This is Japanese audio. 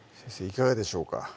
いかがでしょうか？